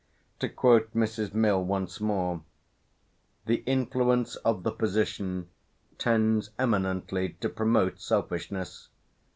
To quote Mrs. Mill once more: "The influence of the position tends eminently to promote selfishness.